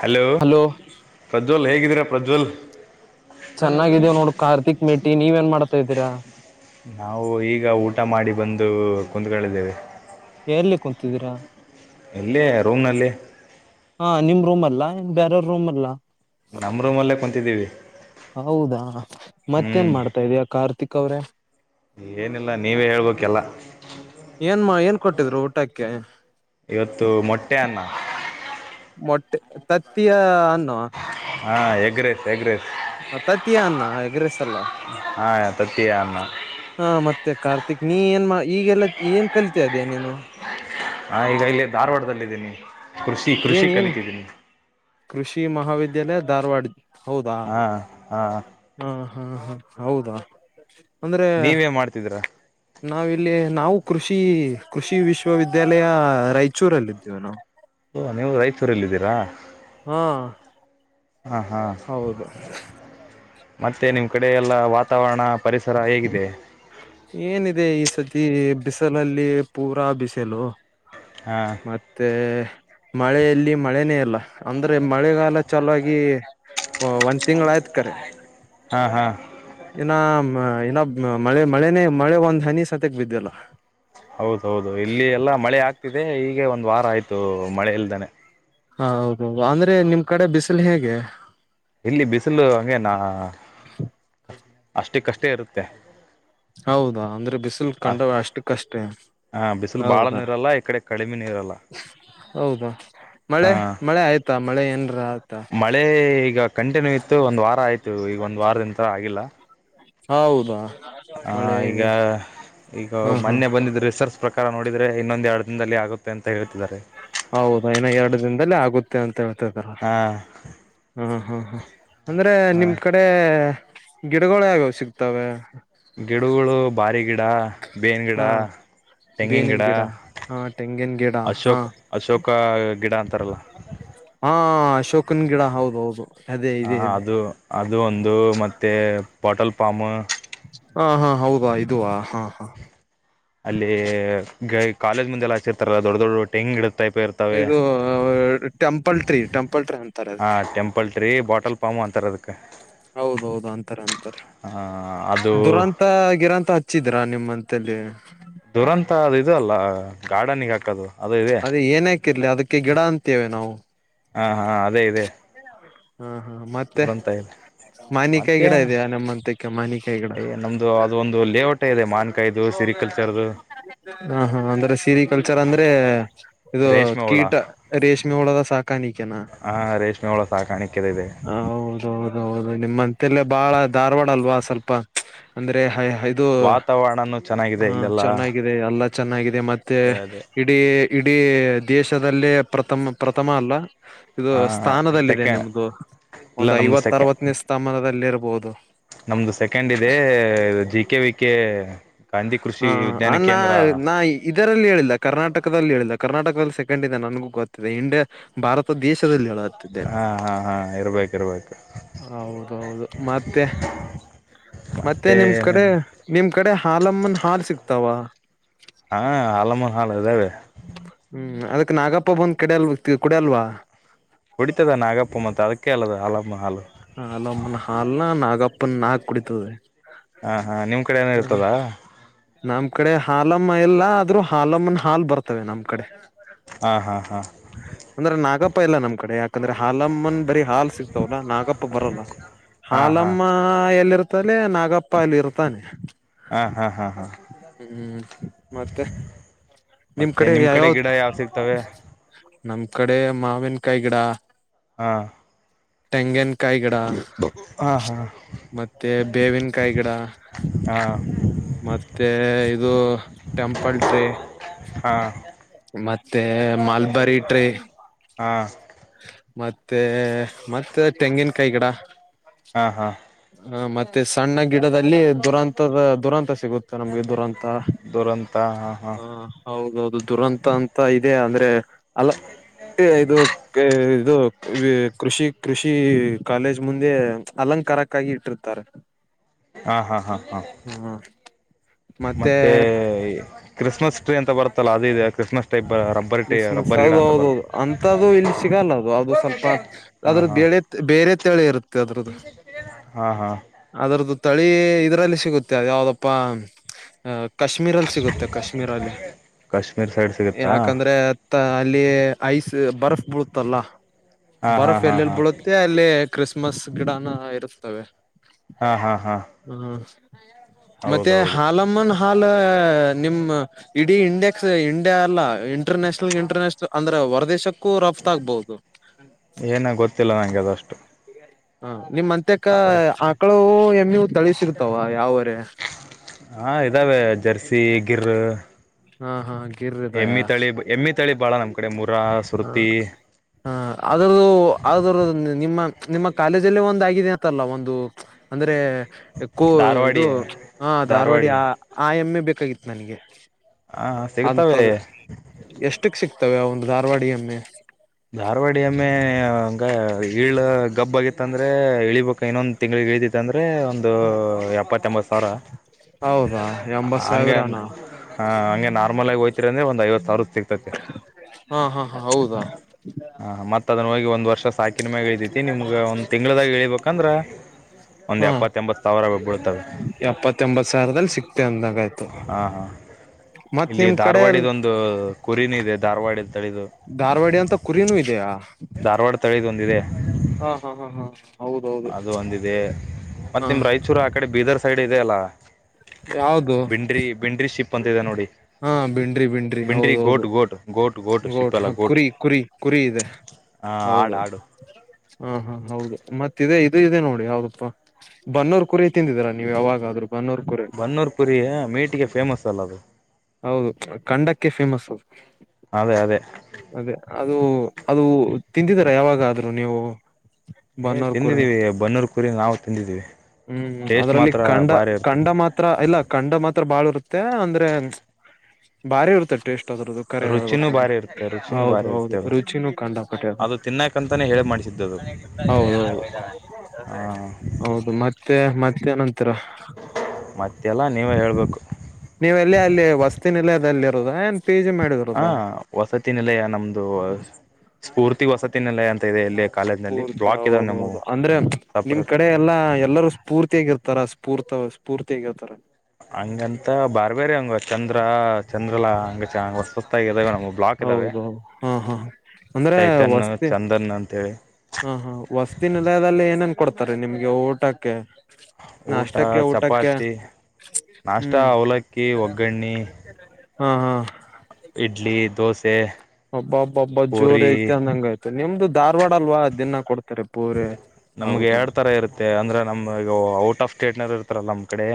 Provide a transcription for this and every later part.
Hello Prajwal ಹೇಗಿದ್ದೀರಾ ಪ್ರಜ್ವಲ್ ಚೆನ್ನಾಗಿದೀವ ನೋಡು ಕಾರ್ತಿಕ್ ಮೇಟಿ ನೀವ ಏನ್ ಮಾಡ್ತಾ ಇದ್ದೀರಾ ನಾವು ಈಗ ಊಟ ಮಾಡಿ ಬಂದು ಕುತ್ಕೊಳ್ಳಿದ್ದೇವೆ ಎಲ್ಲಿ ಕುೂಂತಿದ್ದೀರಾ ಎಲ್ಲ ರೋಮ್ನಲ್ಲಿ ಹಾ ನಿಮ್ ರೂಮ ಅಲ್ಲಾ ಬೇರ ರೂಮ್ಲ್ಲಾ ನಮ್ಮ ರೂಮಲ್ಲೇ ಕುಂತಿದ್ದೀವಿ ಹೌದಾ ಹ್ಮ್ ಮತ್ತೇನ್ ಮಾಡ್ತಾ ಇದಯ ಕಾರ್ತಿಕ್ ಅವ್ರೆ ಏನಿಲ್ಲ ನೀವೇ ಹೇಳ್ಬೇಕೆಲ್ಲ ಏನ್ ಏನ್ ಕೊಟ್ಟಿದ್ರು ಊಟಕ್ಕೆ ಇವತ್ತು ಮೊಟ್ಟೆ ಅನ್ನ ಮೊಟ್ಟೆ ತತ್ತಿಯ ಅನ್ನು ಹಾ ಎಗ್ ರೈಸ್ ಎಗ್ ರೈಸ್ ತತಿಯ ಅನ್ನ ಹೆಗ್ರಸ್ಲ್ಲ ಹಾ ತತ್ತಿಯ ಅ ಹಾ ಮತ್ತೆ ಕಾರ್ತಿಕ್ ನೀ ಏನ್ ಈಗೆಲ್ಲ ಏನ್ ಕಲಿತಾ ಇದ್ಯಾ ನೀನು [unintelligible] ಹಾ ಈಗ ಇಲ್ಲಿ ಧಾರವಾಡದಲ್ಲಿದ್ದೀನಿ ಕೃಷಿ ಕೃಷಿ ಏನ್ ಏನ್ ಕಲಿತಿದ್ದೀನಿ ಕೃಷಿ ಮಹಾವಿದ್ಯಾಲಯ ಧಾರವಾಡ ಹೌದಾ ಹಾ ಹಾ ಹಾ ಹಾ ಹಾ ಹೌದಾ ಅಂದ್ರೆ ನೀವೇನ್ ಮಾಡ್ತಿದ್ದೀರಾ ನಾವಿಲ್ಲಿ ನಾವು ಕೃಷಿ ಕೃಷಿ ವಿಶ್ವವಿದ್ಯಾಲಯ ರಾಯಚೂರಲ್ಲ ಇದಿದ್ದೇವೆ ನಾವು ಓ ನೀವು ರೈತೂರಲ್ಲ ಇದಿದ್ದೀರಾ ಹ್ಮ ಹಾ ಹಾ ಹೌದು ಮತ್ತೆ ನಿಮ್ಮ್ ಕಡೆ ಎಲ್ಲ ವಾತಾವರಣ ಪರಿಸರ ಹೇಗಿದೆ ಏನಿದೆ ಈ ಸತಿ ಬಿಸಲಲ್ಲಿ ಪೂರಾ ಬಿಸಿಲು ಹಾಂ ಮತ್ತೆ ಮಳೆಯಲ್ಲಿ ಮಳೆನೇ ಇಲ್ಲ ಅಂದ್ರೆ ಮಳೆಗಾಲ ಚೆಲಾಗಿ ಒಂದ್ ತಿಂಗ್ಗಳ ಆಯ್ತ್ ಕರೆ ಹಾಂ ಹಾಂ ಇನ್ನ ಇನ್ನ ಮಳೆ ಮಳನೇ ಮಳೆ ಒಂದ್ ಹನಿ ಸತಕ್ ಬಿದ್ದ್ಯಲ್ಲ ಹೌದ ಹೌದು ಇಲ್ಲಿ ಎಲ್ಲ ಮಳೆ ಆಗ್ತಿದೆ ಈೀಗೆ ಒಂದು ವಾರ ಆಯ್ತು ಮಳೆ ಇಲ್ದಾನನೆ ಹ ಹೌದೌದು ಅಂದ್ರೆ ನಿಮ್ ಕಡೆ ಬಿಸಿಲು ಹೇಗೆ ಇಲ್ಲಿ ಬಿಸಿಲು ಹಂಗಗೆನಾ ಅಷ್ಟು ಕಷ್ಟೇ ಇರುತ್ತೆ ಹೌದಾ ಅಂದ್ರೆ ಬಿಸಿಲು ಕಂಡ ಅಷ್ಟ ಅಷ್ಟು ಕಷ್ಟೇ ಹ ಬಿಸಿಲು ಬಾಳ ನೀರಲ್ಲಾ ಈ ಕಡೆ ಕಡಿಮೆ ನೀರ ಅಲ್ಲಾ ಹೌದಾ ಮಳೆ ಮಳೆ ಆಯ್ತಾ ಮಳೆ ಏನ್ರ ಮಳೆ ಈಗ ಕಂಟಿನ್ಯೂ ಇತ್ತು ಒಂದ್ ವಾರ ಆಯ್ತು ಈಗ ಒಂದ್ ವಾರದಿನ ತರ ಆಗಿಲ್ಲ ಹೌದಾ ಆ ಮಳೆ ಈಗ ಈಗ ಹಾ ಹಾ ಮೊನ್ನೆ ಬಂದಿದ್ರೆ ಸರ್ಚ್ ಪ್ರಕಾರ ನೋಡಿದರೆ ಇನ್ನೊಂದು ಎರಡು ದಿನದಲ್ಲಿ ಆಗುತ್ತೆ ಅಂತ ಹೇಳ್ತಿದ್ದಾರೆ ಹೌದ ನ ಎರಡು ದಿನದಲ್ಲೇ ಆಗುತ್ತೆ ಅಂತ ಹೇಳ್ತಿದಾರೆ ಹಾ ಹಾ ಹಾ ಹಾ ಅಂದ್ರೆ ಹ ನಿಮ್ ಕಡೆ ಅಗಿಡಗಳುಗಳು ಯಗಾವ ಸಿಗ್ತವೆ ಗಿಡಗಳು ಭಾರಿ ಗಿಡ ಬೇನ್ ಗಿಡ ಹಾ ತೆಂಗಿನ ಗಿಡ ಹಾ ತೆಂಗಿನ ಗಿಡ ಹಾ ಅಶೋಕ ಅಶೋಕ ಗಿಡ ಅಂತಾರಲ್ಲ ಹಾ ಅಶೋಕನ್ ಗಿಡ ಹೌದ ಹೌದು ಅದೇ ಹ ಇದೆ ಅದೇ ಅದು ಅದು ಒಂದು ಮತ್ತೆ ಬಾಟಲ್ ಪಾಮ್ ಹಾ ಹಾ ಹೌದಾ ವ ಹಾ ಹಾ ಅಲ್ಲಿ ಕಾಲೇಜ್ ಮುಂದೆಲ್ಲ ಹಚಿರ್ತಾರ ದೊಡ್ಡ ದೊಡ್ ಟೆಂಗ್ ಇಿಡತೈ ಪರ್ [unintelligible] ಇದು ಟೆಂಪಲ್ ಟ್ರೀ ಟೆಂಪಲ್ ಟ್ರೀ ಅಂತಾರೆ ಅದಕ್ಕೆ ಪಲ್ಟ್ರಿ ಬಾಟಲ್ ಪಾಮ ಅಂತರದಕ್ಕೆ ಹೌದೌದು ಅಂತಾರೆ ಅಂತಾರೆ ಅದು ದುರಂತ ಗಿರಂತ ಹಚ್ಚಿದ್ರ ನಿಮ್ಮಂತಲ್ಲಿ ದುರಂತ ಅ ಇದು ಅಲ್ಲ ಗಾರ್ಡನಿಗೆ ಹಾಕದು ಅದು ಇದೆ ಏನ್ಕಿರ್ಲಿ ಅದಕ್ಕೆ ಗಿಡ ಅಂತೇವೆ ನಾವು ಹಾ ಹಾ ಅದೇ ಇದೆ ಹಾ ಹಾ ಮತ್ತೆ ದುರಂತ ಇದೆ ಮಾವಿನಕಾಯಿ ಮತ್ತೆ ಗಿಡ ಇದೆಯ ನಿಮ್ಮಂತಕ್ಕೆ ಮಾವಿನಿಕೈ ಗಿಡ ಕೈದು ಸಿರಿಕಲ್ಚರ್ದು ಹ ಹಾ ಅಂದ್ರೆ ಸಿರಿ ಕಲ್ಚರ್ ಅಂದ್ರೆ ಇದು ರೇಷ್ಮೆ ಹುಳ ಕೀಟ ರೇಷ್ಮೆ ಹುಳದ ಸಾಕಾಣಿಕೇನಾ ಹಾ ರೇಷ್ಮೆ ಹುಳಾ ಹೌದು ಹೌದೌದು ನಿಮ್ಮ್ಂತಲ್ಲೇ ಬಾಳ ಧಾರವಾಡ ಅಲ್ವಾ ಸ್ವಲ್ಪ ಅಂದ್ರೆ ಇದು ವಾತಾವರಣನೂ ಚೆನ್ನಾಗಿದೆ ಹ ಇಲ್ಲೆಲ್ಲ ಚೆನ್ನಾಗಿದೆ ಎಲ್ಲಾ ಚೆನ್ನಾಗಿದೆ ಮತ್ತೆ ಅದೇ ಅದೇ ಇಡೀ ಇಡೀ ದೇಶದಲ್ಲೇ ಪ್ರಥಮ ಪ್ರಥಮ ಅಲ್ಲ ಇದು ಸ್ಥಾನದ ಸೆಕೆ ನಿಮ್ದು ಇಲ್ಲ ಒಂದು ನಮ್ಮದು ಐವತ್ತ ಅರವತ್ತನೇ ಸ್ಥಾನದಲ್ಲಿರಬಹುದು ನಮ್ದು ಸೆಕೆಂಡ್ ಇದೆ G K V K Gandhi ಕೃಷಿ ಹ ವಿಜ್ಞಾನ ನಾ ಕೇಂದ್ರಾ ನಾ ಇದರಲ್ಲಿ ಹೇಳಿಲ್ಲ ಕರ್ನಾಟಕದಲ್ಲಿ ಹೇಳಿಲ್ಲ ಕರ್ನಾಟಕದಲ್ಲಿ ಸೆಕೆಂಡ್ ಇದೆ ನನಗೂ ಗೊತ್ತಿದೆ ಇಂಡಿಯಾ ಭಾರತ ದೇಶದಲ್ಲಿ ಹೇಳುತ್ತಿದ್ದೇನೆ ಹಾ ಹಾ ಹಾ ಇರ್ಬೇಕು ಇರ್ಬೇಕು ಹೌದೌದು ಮತ್ತೆ ಮತ್ತೆ ನಿಮ ಕಡೆ ನಿಮ ಕಡೆ ಹಾಲಮ್ಮನ್ ಹಾಲ ಸಿಕ್ತಾವಾ ಹಾ ಅ ಹಾಲಮ್ಮನ ಹಾಲ ಅದೇ ರೀ ಹ್ಮ್ ಅದಕ್ ನಾಗಪ್ಪ ಬಂದ್ ಕಡಲ್ವ ಕುಡಲ್ವಾ ಕುಡಿತದ ನಾಗಪ್ಪ ಮತ್ತು ಅದಕ್ಕೆ ಹಾಲ್ಲದು ಹಾಲಮ್ಮ ಹಾಲು ಹಾಲಮ್ಮನ ಹಾಲ ನ ನಾಗಪ್ಪನ ನಾಗ ಕುಡಿತದೆ ಹಾ ಹಾ ನಿಮ್ ಕಡೆ ಏನ ಹ ಇರ್ತದಾ ನಮ್ ಕಡೆ ಹಾಲಮ್ಮ ಇಲ್ಲಾ ಆದ್ರೂ ಹಾಲಮ್ಮನ ಹಾಲ್ ಬರ್ತವೆ ನಮ್ ಕಡೆ ಹಾ ಹಾ ಹಾ ಅಂದ್ರೆ ನಾಗಪ್ಪ ಎಲ್ಲ ನಮ್ಮ ಕಡೆ ಯಾಕೆ ಯಾಕಂದ್ರೆ ಹಾಲಮ್ಮನ್ ಬರಿೀ ಹಾಲ್ ಸಿಗ್ತವಲ್ಲ ನಾಗಪ್ಪ ಬರಲ್ಲ ಹಾಂ ಹಾಂ ಹಾಲಮ್ಮ ಹಾಂ ಎಲ್ಲಿ ಇರ್ತಾನೆ ನಾಗಪ್ಪ ಅಲ್ಲಿ ಇರ್ತಾನೆ ಹಾಂ ಹಾಂ ಹಾಂ ಹ್ಮ್ ಮತ್ತೆ ನಿಮ್ ಮತ್ತು ಕಡೆ ನಿಮ್ಮ ಯಾವಾವ ಗಿಡ ಯಾವ ಸಿಗ್ತವೆ ನಮ್ ಕಡೆ ಮಾವಿನಕಾಯಿ ಗಿಡ ಹ್ಮ್ ಟೆಂಗನ್ ಕಾಯಿ ಗಿಡಾ ಹಾಂ ಹಾಂ ಮತ್ತೆ ಬೇವಿನಕಾಯಿ ಗಿಡಾ ಹಾಂ ಮತ್ತೆ ಇದು ಟೆಂಪಲ್ ಟ್ರೀ ಹಾಂ ಮತ್ತೆ ಮಾಲ್ಬರಿ ಟ್ರೆ ಹಾ ಮತ್ತೆ ಮತ್ತೆ ತೆಂಗಿನಕಾಯಿ ಗಿಡಾ ಹಾ ಹಾ ಹ ಮತ್ತೆ ಸಣ್ಣ ಗಿಡದಲ್ಲಿ ದುರಂತದ ದುರಂತ ಸಿಗುತ್ತೆ ನಮ್ಗೆ ದುರಂತಾ ದುರಂತ ಹಾ ಹಾ ಹ ಹೌದೌದು ದುರಂತ ಅಂತ ಇದೆ ಅಂದ್ರೆ ಅಲ್ಲಾ ಇದು [unintelligible] ಇದು ಕೃಷಿ ಕೃಷಿ ಕಾಲೇಜ್ ಮುಂದೆ ಅಲಂಕಾರಕ್ಕಾಗಿ ಇಟ್ಟಿರ್ತಾರೆ ಹಾ ಹಾ ಹಾ ಹಾ ಹ್ಮ ಮತ್ತೆ ಕ್ರಿಸ್ಮಸ್ ಟ್ರೀ ಅಂತ ಬರುತ್ತಲ್ಲ ಅದ ಇದೆಯಾ ಕ್ರಿಸ್ಮಸ್ ಟ್ರೀ ಬರ ಕ್ರಿಸ್ಮಸ್ ಅದು ಹೌದೌದು ಅಂತದ್ದು ಇಲ್ಲಿ ಸಿಗಲ್ಲ ಅದು ಅದು ಸ್ವಲ್ಪ ಹಾ ಆದ್ರ ಹಾ ಬೇಳೆ ಬೇರೆ ತಳಿ ಇರುತ್ತೆ ಅದ್ರದ್ದು ಹಾ ಹಾ ಅದ್ರದ್ದು ತಳಿ ಇದ್ರಲ್ಲಿ ಸಿಗುತ್ತೆ ಅ ಯಾವ್ದಪ್ಪ ಅ ಕಾಶ್ಮೀರಲ್ಲಿ ಸಿಗುತ್ತೆ ಕಾಶ್ಮೀರಲ್ಲಿ ಕಾಶ್ಮೀರ್ ಸೈಡ್ ಸಿಗುತ್ತಾ ಯಾಕ ಅಲ್ಲಿ ಐಸ್ ಬರ್ಫ್ ಬೀಳುತ್ತಲ್ಲ ಹಾ ಹಾ ಬರ್ಫ್ ಹಾ ಹಾ ಎಲ್ಲೆಲ್ಲಿ ಬಳುತ್ತ ಮತ್ತೆ ಅಲ್ಲಿ ಕ್ರಿಸ್ಮಸ್ ಗಿಡನ ಇರುತ್ತವೆ ಹಾಂ ಹಾಂ ಹಾಂ ಹ್ಮ ಮತ್ತೆ ಹಾಲಮ್ಮನ್ ಹಾಲ ನಿಮ್ಮ್ ಇಡೀ ಇಂಡೆಕ್ಸ್ ಇಂಡ್ಯಾ ಅಲ್ಲ ಇಂಟರ್ನ್ಯಾನಲ್ ಇಂಟರ್ನ್ಯಾನಲ್ ಅಂದ್ರೆ ಹೊರದೇಶಕ್ಕೂ ರಫ್ತ ಆಗ್ಬಹುದು ಏನ ಗೊತ್ತಿಲ್ಲ ನನಗೆ ಅದಷ್ಟು ಹ ನಿಮ್ ಅತ್ಯಕ್ಕ ಆದ್ರೂ ಆಕಳು ಎಮ್ಮಿ ತಳಿ ಸಿಗತಾವ ಯಾವರೆ ಹಾ ಇದಾವೆ ಜರ್ಸಿ ಗಿರು ಹಾ ಹಾ ಗಿರ್ ಎಮ್ಮಿ ತಳಿ ಎಮ್ಮಿ ತಳಿ ಭಾಳ ನಮ್ಮ್ ಕಡೆ ಮುರ ಹ ಸುರುತಿ ಹ ಅದ್ರದ್ದು ಆದ ನಿಮ್ಮ ನಿಮ್ಮ ಕಾಲೇಜಲ್ಲಿ ಒಂದು ಆಗಿದೆ ಅಂತಲ್ಲ ಒಂದು ಅಂದ್ರೆಕ್ಕೋ ಧಾರವಾಡಿ ಇದು ಹ ಧಾರವಾಡಿ ಆ ಆ ಎಮ್ಮೆ ಬೇಕಾಗಿತ್ತು ನನಗೆ ಹಾ ಸಿಗ್ತವೆ ಅಂತದ ಎಷ್ಟಕ್ ಸಿಕ್ತವೆ ಒಂದು ಧಾರವಾಡ ಎಮ್ಮೆ ಧಾರವಾಡಿಯಮ್ಮೆ ಹಂಗ ಈಳ ಗಬ್ಬ ಆಗಿತ್ತ ಅಂದ್ರೆ ಇಳಿಬೇಕ ಇನ್ನೊಂದ ತಿಂಗಳಿಗೆ ಇಳಿದಿ ಇಂದ್ರೆ ಒಂದು ಎಪ್ಪತ್ತ ಎಂಬತ್ ಸಾವಿರ ಹೌದಾ ಎಂಬತ್ ಹಂಗೆ ಸಾವಿರನಾ ಹಾ ಹಂಗೆ ನಾರ್ಮಲಾಗಿ ಹೋತೀರ ಅಂದ್ರೆ ಒಂದು ಐವತ್ತು ಸಾವಿರ ಸಿಗ್ತತಿ ಹಾ ಹಾ ಹಾ ಹೌದಾ ಹಾ ಮತ್ತತ್ದ ಹೋಗಿ ಒಂದ ವರ್ಷ ಸಾಕಿನ ಮ್ಯಾಗ ಇಳ್ದೈತಿ ನಿಮ್ಗ ಒಂದ್ ತಿಂಗಳದಾಗ ಹ ಹೇಳಳ್ಬೇಕಂದ್ರ ಒಂದು ಹಾ ಎಪ್ಪತ್ತೊಂಬತ್ತು ಸಾವಿರಬ್ಬೀಳುತ್ತವೆ ಎಪ್ಪತ್ತ ಎಂಬತ್ತು ಸಾವಿರದಲ್ಲಿ ಸಿಕ್ತೆವೆ ಅಂದಾಗೈ ಹಾ ಹಾ ಇಲ್ಲಿ ಕಡೆ ಅಲ್ ಧಾರವಾಡಿದೊಂದು ಕುರಿನ ಇದೆ ಧಾರವಾಡ ತಳಿದು ಧಾರವಾಡ ಅಂತ ಕುರಿನೂ ಇದೆಯಾ ಸ್ಥಳಿದೊಂದಿದೆ ಹಾ ಹಾ ಹಾ ಹಾ ಹಾ ಅದು ಒಂದಿದೆ ಮತ್ತ್ ಹಾ ನಿಮ್ ರಾಯಚೂರ್ ಆ ಕಡೆ ಬೀದರ್ ಸೈಡ್ ಇದೆ ಅಲ್ಲ ಯಾವ್ದು ಬಿಂಡ್ರಿ ಬಿಂಡ್ರಿ ಶಿಪ್ ಅಂತ ಇದೆ ನೋಡಿ ಹಾ ಬಿಂಡ್ರಿ ಬಿಂಡ್ರಿ ಗೋಟ್ ಹೌದೌದು ಗೋಟ್ ಗೋಟ್ ಗೋಟ್ ಕುರಿ ಕುರಿ ಕುರಿ ಇದೆ ಹಾ ಹೌದ ಆಡು ಆಡು ಹಾ ಹಾ ಹೌದು ಮತ್ತ ಇ ಇದು ಇದೆ ನೋಡಿ ಯಾವ್ದಪ್ಪಾ ಬನ್ನೂರ್ ಕುರಿ ತಿಂದಿದರ ನೀವು ಯಾವಾಗಾದ್ ಬನ್ನೂರ್ ಕುರಿ ಕಣ್ಣೂರ್ ಪುರಿ ಮೀಟಿಗೆ ಫೇಮಸ್ ಅಲ್ಲ ಅದು ಹೌದು ಖಂಡಕ್ಕೆ ಫೇಮಸ್ ಅದು ಅದೇ ಅದೇ ಅದೇ ಅದು ಅದು ತಿಂದಿದರಾ ಯಾವಾಗಾದ್ರೂ ನೀವು ಏ ಬನ್ನೋರ್ ಕುರೆ ತಿಂದಿದ್ದೀವಿ ಬನ್ನೂರು ಕುರಿ ನಾವು ತಿಂದಿದ್ದೀವಿ ಹ್ಮ್ ಟೇಸ್ಟ್ ಅದರಲ್ಲಿ ಮಾತ್ರ ಕಂಡ ಭಾರಿ ಕಂಡ ಇರ್ತದೆ ಮಾತ್ರ ಹತ್ರ ಇಲ್ಲ ಕಂಡ ಮಾತ್ರ ಬಾಳ ಇರುತ್ತೆ ಅಂದ್ರೆ ಬಾರಿ ಇರುತ್ತೆ ಟೇಸ್ಟ್ ಅದದು ಕರೆ ರುಚಿನೂ ಹೇಳ್ಬೇಕಂದ್ರೆ ಭಾರಿ ಇರುತ್ತೆ ರುಚಿನೂ ಹೌದು ಭಾರಿ ಹೌದು ಇರುತ್ತೆ ಅದು ರುಚಿನೂ ಕಂಡಪಟ್ಟದ ಅದು ತಿನ್ನಕಂತಾನೆ ಹೇಳಿ ಮಾಡಿಸಿದ್ದದು ಹೌದ ಹ ಹೌದು ಮತ್ತೆ ಮತ್ತೇನಂತೀರಾ ಮತ್ತೆಲ್ಲ ನೀವೇ ಹೇಳ್ಬೇಕು. ನೀವೆಲ್ಲಿ ಅಲ್ಲಿ ವಸ್ತಿ ನಿಲಯದಲ್ಲಿ ಇರೋದಯೇನ್? ಹ ವಸತಿ ನಿಲಯ ನಮ್ದು ಸ್ಫೂರ್ತಿ ವಸತಿ ನಿಲಯ ಅಂತ ಇದೆ ಇಲ್ಲೆ [unintelligible] ಅಂದ್ರೆ ನಿಮ್ ಸಪ್ರೇಟ್ ಕಡೆ ಎಲ್ಲಾ ಎಲ್ಲರೂ ಸ್ಫೂರ್ತಿಯಾಗಿ ಇರ್ತಾರ ಸ್ಫೂರ್ತ ಸ್ಫೂರ್ತಯಾಗಿರ್ತಾರ. ಹಂಗಂತ ಬ್ಯಾರೆ ಬೇರೆ ಹಂಗ ಚಂದ್ರ ಚಂದ್ರಲ್ಲ ಹಂಗೆ ಚ ಹೊಸ ಹೊಸತಾಗಿ ಇದಿದ್ದಾವೆ ನಮ್ಗೆ ಬ್ಲಾಕ್ ಇದ್ದಾವೆ. ಹೌದೌದು ಹಾ ಹಾ ಅಂದ್ರೆ ಚೈತನ್ ವಸ್ತಿ ಚಂದನ್ ಅಂತೇಳಿ ಹಾ ಹಾ ವಸತಿ ನಿಲಯದಲ್ಲಿ ಏನೇನ್ ಕೊಡ್ತಾರೆ ನಿಮ್ಗೆ ಊಟಕ್ಕೆ - ಊಟ ನಾಷ್ಟಕ್ಕೆ ಊಟಕ್ಕೆ ಚಪಾತಿ ನಾಷ್ಟ ಹ್ಮ್. ಅವಲಕ್ಕಿ ಒಗ್ಗರಣೆ ಹ ಹಾ. ಇಡ್ಲಿ ದೋಸೆ ಅಬ್ಬಬ್ಬಬ್ಬ ಜೋರಿ ಪೂರಿ ಐತೆ ಅಂದಂಗ ಆಯ್ತು ನಿಮ್ದು ಧಾರವಾಡ ಅಲ್ವಾ ಡಿನ್ನಾ ಕೊಡ್ ನಮ್ಗೆ ಎರಡ್ ತರ ಇರುತ್ತೆ ಅಂದ್ರೆ ನಮ್ ಈಗ ಔಟ್ ಆಫ್ ಸ್ಟೇಟ್ನಾದರು ಇರ್ತಾರಲ್ಲ ನಮ್ಮ್ ಕಡೆ.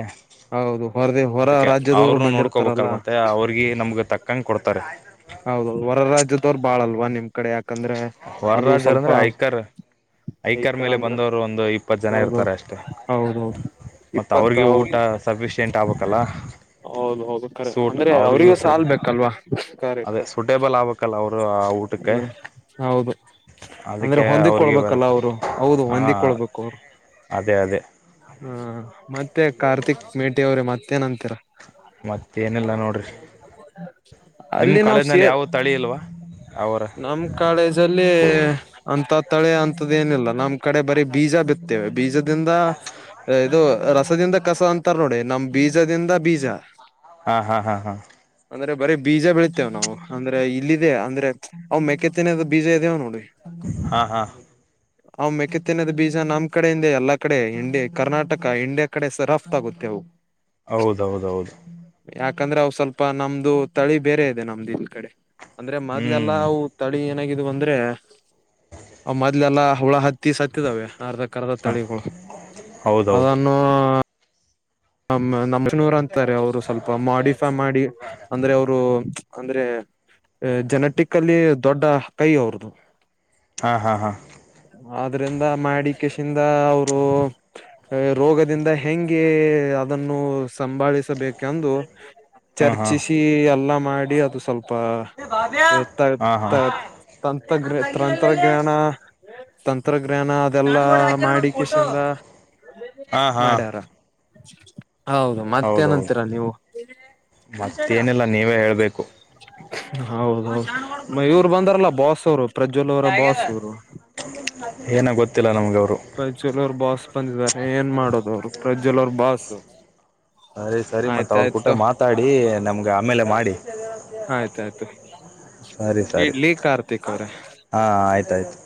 ಹೌದು ಹೊರದಿ ಹೊರ ಅದಕ್ಕೆ ರಾಜ್ಯದವರು ಅವ್ರನು ನೋಡ್ಕೋಬೇಕಲ್ ಬಂದಿರ್ತಾರಲ್ಲ ಮತ್ತೆ ಅವ್ರಗಿ ನಮ್ಗೆ ತಕ್ಕಂಗ ಕೊಡ್ತಾರೆ. ಹೌದೌದು ಹೊರ ರಾಜಾಜ್ಯದವರು ಬಾಳ ಅಲ್ವಾ ನಿಮ್ ಕಡೆ ಯಾಕಂದ್ರೆ ಹೊರ ಅದು ರಾಜ್ಯದವರು ಸ್ವಲ್ಪ ಅಂದ್ರೆ ಐ್ಕರ್ ಐಕರ್ ಈಕರ ಮೇಲೆ ಅಂದ್ರೆ ಬಂದವರು ಒಂದು ಇಪ್ಪತ್ತು ಜನ ಹೌದು ಇರ್ತಾರೆ ಅಷ್ಟೆ. ಹೌದೌದು ಮತ್ತ ಇಪ್ಪತ್ತ ಅವ್ರಿಗೆ ಊಟ ಹೌದು ಸಫಿಶಿಯಂಟ್ ಆಗ್ಬೇಕಲ್ಲ ಹೌದು ಹೌದು ಅದು ಕರೆ ಸೂಟ್ ಅಂದ್ರೆ ಅವ್ರಿಗೂ ಅವ್ರಗೂ ಸು ಸಾಲ್ ಬೇಕಲ್ವಾ ಕರೆ ಅದೇ ಸೂಟೇಬಲ್ ಆಗ್ಬೇಕಲ್ಲ ಅವರು ಆ ಊಟಕ್ಕೆ ಅಂದ್ರೆ ಹೌದು. ಅಂದ್ರೆ ಅದಕ್ಕೆ ಅವ್ರಿಗೆ ಹೊಂದಿಕ್ಕಕೊಳ್ಬೇಕಲ್ಲ ಬರಬೇಕು ಅವರು ಹೌದು ಹಾಂ ಹೊಂದಿಕೊಳ್ಬೇಕು ಅವರು ಅದೇ ಅದೇ - ಹಾ ಮತ್ತೆ ಕಾರ್ತಿಕ್ ಮೇಟಿ ಅವ್ರೆ ಮತ್ತೇಏನ್ಂತೀರ? ಮತ್ತ ಏನಿಲ್ಲ ನೋಡ್ರಿ ನಿಮ್ಮ ಅಲ್ಲಿ ನಾವ್ ಕಾಲೇಜ ಸೇರ್ ಯಾವು ತಳಿ ಇಲ್ವಾ ಅವರ ನಮ್ಮದಲ್ಲಿ ಅಂತ ತಳೆ ಅಂತದ್ದ ಏನಿಲ್ಲ ನಮ್ಮ್ ಕಡೆ ಬರೀ ಬೀಜ ಬಿತ್ತೇವೆ ಬೀಜದ ದಿಂಧ ಇದು ರಸದಿಂದ ಕಸ ಅಂತಾರ ನೋಡಿ ನಮ್ ಬೀಜದಿಂದ ಬೀಜ ಹಾ ಹಾ ಹಾ ಅಂದ್ರೆ ಬರೀ ಬೀಜ ಬೆಳಿತೇವೆ ನಾವು. ಅಂದ್ರೆ ಇಲ್ಲಿದೆೇ ಅಂದ್ರೆ ಅವ್ ಮೆಕ್ಕೆತ್ತಿನದ ಬೀಜ ಇದಾವೆ ನೋಡಿ - ಹಾ ಹಾ ಅವ ಮೇಕ್ಕೆ ತಿನ್ನದ ಬೀಜ ನಮ್ ಕಡೆಯಿಂದೆ ಎಲ್ಲಾ ಕಡೆ ಇಂಡಿಯ ಕರ್ನಾಟಕ ಇಂಡಿಯಾ ಕಡೆ ಸರಫ್ತ ಆಗುತ್ತೆ ಅವು - ಹೌದೌದದ. ಯಾಕಂದ್ರ ಅವ ಸ್ವಲ್ಪ ನಮ್ದು ತಳಿ ಬೇರೆ ಇದೆ ನಮ್ದು ಇಲ್ ಕಡೆ ಅಂದ್ರೆ ಹ್ಞೂ ಮೊದ್ಲೆಲ್ಲಾ ಅವು ತಳಿ ಏನಾಗಿದವು ಅಂದ್ರೆ ಅ ಮೊದ್ಲೆಲ್ಲಾ ಹುಳ ಹತ್ತಿ ತ್ತೀ ಸತ್ತಿದಾವೆ ಅರ್ಧ ಕರ್ಧ ಹಾಂ ತಳಿಗಳು ಹೌದೌದು ಅದನ್ನು ಹ ನಮಷನೂರ್ ಅಂತಾರೆ ಅವರು ಸ್ವಲ್ಪ ಮಾಡಿಫೈ ಮಾಡಿ ಅಂದ್ರೆ ಅವರು ಅಂದ್ರೆ ಜೆನೆಟಿಕ್ ಅಲ್ಲಿ ದೊಡ್ಡ ಕೈ ಅವ್ರದು - ಹಾ ಹಾ ಹಾ. ಆದ್ರಿಂದ ಮಾಡಿಕೇಶಿಂದ ಅವರು ರೋಗದಿಂದ ಹೆಂಗೆ ಅದನ್ನು ಸಂಭಾಳಿಸಬೇಕೆಂದು ಹಾಂ ಹಾಂ ಹಾಂ ಚರ್ಚಿಸಿ ಎಲ್ಲ ಮಾಡಿ ಅದು ಪ್ ತ ಹಾಂ ಹಾಂ ತ ತಂತ್ರಜ್ಞ ತಂತ್ರಜ್ಞಾನ ತಂತ್ರಜ್ಞಾನ ಅದೆಲ್ಲಾ ಮಾಡಿಕೇಷಿಂದ ಹಾಂ ಹಾಂ ಮಾಡ್ಯಾರ. ಹೌದು ಹೌದೌದು ಮತ್ತೇನಂತೀರಾ ನೀವು ಮತ್ತೇನಿಲ್ಲ ನೀವೇ ಹೇಳ್ಬೇಕು ಹೌದೌದು ಇವ್ ಬಂದಾರಲ್ಲ ಬಾಸ್ ಅವ್ರು ಪ್ರಜ್ವಲ್ ಅವರ ಬಾಸ್ ಇವ್ರು ಏನ ಗೊತ್ತಿಲ್ಲ ನಮ್ಗ ಅವರು ಪ್ರಜ್ವಲ್ ಅವರು ಬಾಸ್ ಬಂದಿದ್ದಾರೆ ಏನ್ ಮಾಡೋದ ಅವ್ರು ಪ್ರಜ್ವಲ್ ಅವರು ಬಾಸ್ ಸರಿ ಸರಿ ಮತ್ತ ಅವರು ಕೂಟ ಆಯ್ತಾಯ್ತು ಮಾತಾಡಿ ನಮ್ಗೆ ಆಮೇಲೆ ಮಾಡಿ ಆಯ್ತಾಯ್ತು ಸರಿ ಸರಿ ಇಡ್ಲಿ ಕಾರ್ತಿಕ್ ಅವ್ರೆ ಹಾ ಆಯ್ತ ಆಯ್ತು